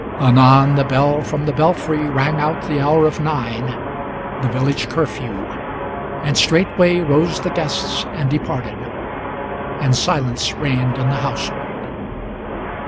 Anon the bell from the belfry Rang out the hour of nine, the village curfew, and straightway Rose the guests and departed; and silence reigned in the household.